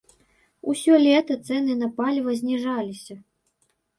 Усё лета цэны на паліва зніжаліся.